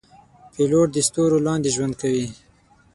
پیلوټ د ستورو لاندې ژوند کوي.